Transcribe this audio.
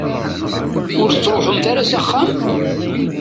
Ur tettruḥumt ara s axxam?